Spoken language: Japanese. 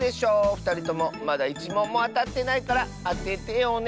ふたりともまだ１もんもあたってないからあててよね。